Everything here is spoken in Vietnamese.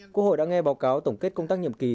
quốc hội đã nghe báo cáo tổng kết công tác nhiệm kỳ